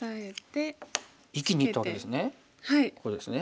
生きにいったわけですね。